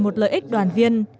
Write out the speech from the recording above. một lợi ích đoàn viên